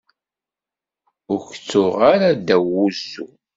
Ur k-tuɣ ara ddaw uzzu.